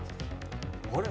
あれ？